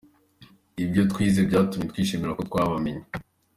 Ibyo twize byatumye twishimira ko twabamenye.